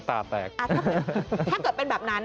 ถ้าเกิดเป็นแบบนั้น